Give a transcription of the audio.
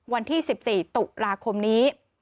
วันที่๑๔ตุลาคมนี้